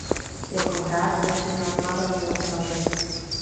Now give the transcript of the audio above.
Jako hráč začínal v Mladé Boleslavi.